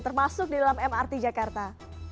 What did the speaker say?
termasuk di dalam mrt jakarta